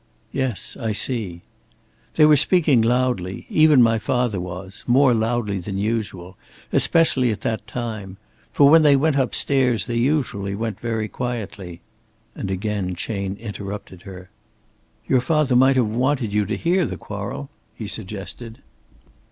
"Yes. I see." "They were speaking loudly even my father was more loudly than usual especially at that time. For when they went up stairs, they usually went very quietly"; and again Chayne interrupted her. "Your father might have wanted you to hear the quarrel?" he suggested.